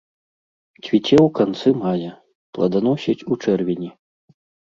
Цвіце ў канцы мая, пладаносіць у чэрвені.